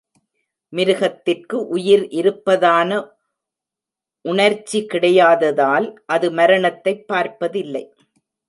மிருகத்திற்கு உயிர் இருப்பதான உணர்ச்சி கிடையாததால், அது மரணத்தைப் பார்ப்பதில்லை.